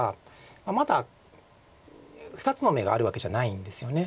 まだ２つの眼があるわけじゃないんですよね。